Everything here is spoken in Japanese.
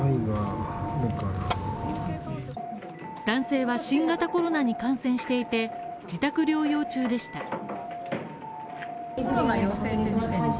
男性は新型コロナに感染していて、自宅療養中でした。